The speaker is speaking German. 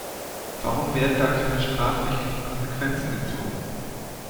Warum werden da keine strafrechtlichen Konsequenzen gezogen?